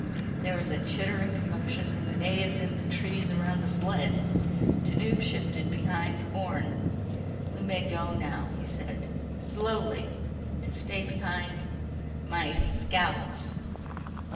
There was a chittering commotion from the natives in the trees around the sled. Tanub shifted behind Orne. "We may go now," he said. "Slowly ... to stay behind my ... scouts."